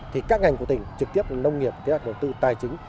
thì các ngành của tỉnh trực tiếp nông nghiệp kế hoạch đầu tư tài chính